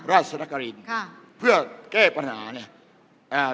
ราชนกรินค่ะเพื่อแก้ปัญหาเนี้ยอ่า